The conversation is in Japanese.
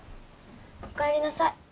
お帰りなさい